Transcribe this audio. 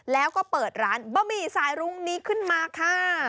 แล้วก็เปิดร้านบะหมี่สายรุ้งนี้ขึ้นมาค่ะ